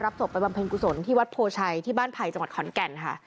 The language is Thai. ศพไปบำเพ็ญกุศลที่วัดโพชัยที่บ้านไผ่จังหวัดขอนแก่นค่ะ